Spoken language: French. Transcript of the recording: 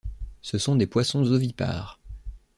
Ce sont des poissons ovipares.